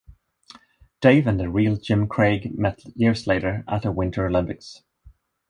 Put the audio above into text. Dave and the real Jim Craig met years later at a Winter Olympics.